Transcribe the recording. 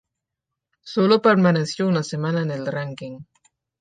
Sólo permaneció una semana en el ranking.